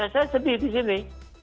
saya sedih disini